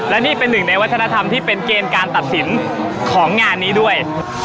และนี่เป็นหนึ่งในวัฒนธรรมที่เป็นเกณฑ์การตัดสินของงานนี้ด้วย